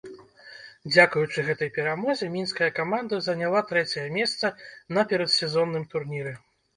Дзякуючы гэтай перамозе мінская каманда заняла трэцяе месца на перадсезонным турніры.